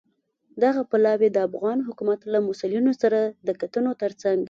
دغه پلاوی د افغان حکومت له مسوولینو سره د کتنو ترڅنګ